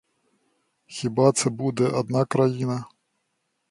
Хіба це буде одна країна?